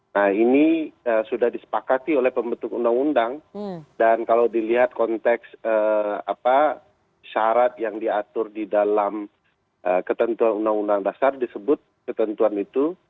nah ini sudah disepakati oleh pembentuk undang undang dan kalau dilihat konteks syarat yang diatur di dalam ketentuan undang undang dasar disebut ketentuan itu